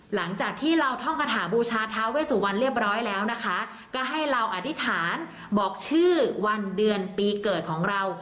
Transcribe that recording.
หลังจากที่เราท่องคาถาบูชาท้าเวสุวรรณเรียบร้อยแล้วนะคะก็ให้เราอธิษฐานบอกชื่อวันเดือนปีเกิดของเรา